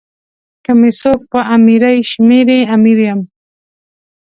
که می څوک په امیری شمېري امیر یم.